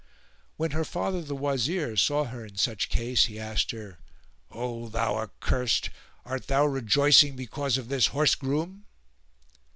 When her father, the Wazir, saw her in such case, he asked her, "O thou accursed, art thou rejoicing because of this horse groom?"